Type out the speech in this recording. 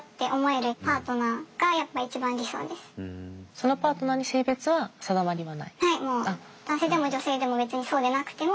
そのパートナーに性別は定まりはない？